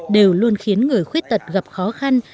đều luôn khiến người khuyết tật gặp khó khăn